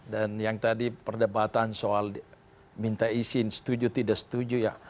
dan yang tadi perdebatan soal minta izin setuju tidak setuju ya